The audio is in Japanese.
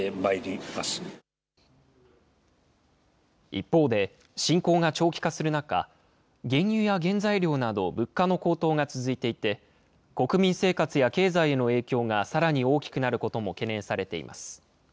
一方で、侵攻が長期化する中、原油や原材料など、物価の高騰が続いていて、国民生活や経済への影響がさらに大きくなることも懸念されています。